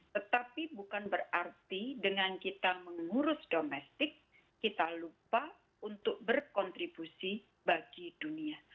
tetapi bukan berarti dengan kita mengurus domestik kita lupa untuk berkontribusi bagi dunia